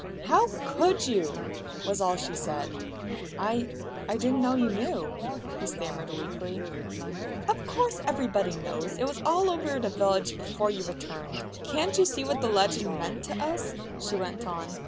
"How could you?" was all she said. "I I didn't know you knew," he stammered weakly. "Of course everybody knows! It was all over the village before you returned. "Can't you see what that legend meant to us?" she went on.